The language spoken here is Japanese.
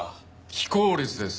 非効率です。